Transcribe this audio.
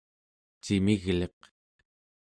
cimigliq